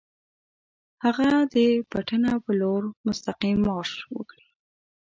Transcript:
هغه د پټنه پر لور مستقیم مارش وکړي.